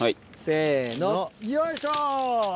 せのよいしょ！